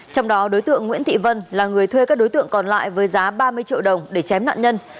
trong đó đối tượng nguyễn thị vân là người thuê các đối tượng còn lại với giá ba mươi triệu đồng để chém nạn nhân